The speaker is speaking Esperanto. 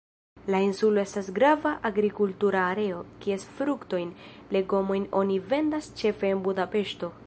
La insulo estas grava agrikultura areo, kies fruktojn, legomojn oni vendas ĉefe en Budapeŝto.